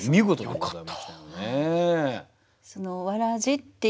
よかった。